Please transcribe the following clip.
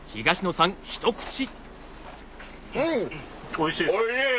おいしい！